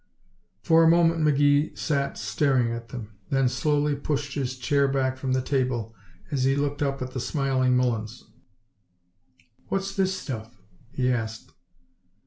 For a moment McGee sat staring at them, then slowly pushed his chair back from the table as he looked up at the smiling Mullins. "What's this stuff?" he asked.